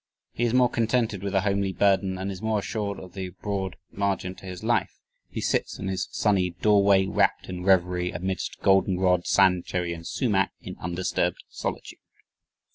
He is more contented with a "homely burden" and is more assured of "the broad margin to his life; he sits in his sunny doorway ... rapt in revery ... amidst goldenrod, sandcherry, and sumac ... in undisturbed solitude."